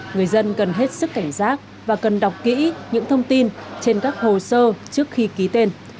người dân cần hết sức cảnh giác và cần đọc kỹ những thông tin trên các hồ sơ trước khi ký tên